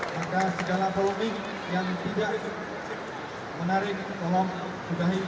maka segala pelumik yang tidak menarik tolong subahi